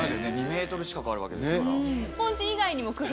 ２ｍ近くあるわけですから。